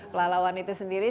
pelawan itu sendiri